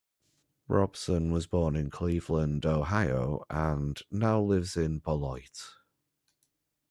Robson was born in Cleveland, Ohio and now lives in Beloit.